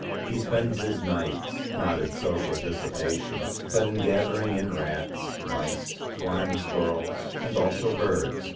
He spends his nights, not in social dissipation, but in gathering in rats, mice, flying squirrels, and also birds.